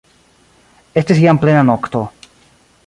Estis jam plena nokto.